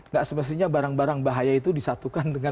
nggak semestinya barang barang bahaya itu disatukan dengan